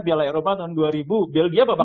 piala eropa tahun dua ribu belgia bapak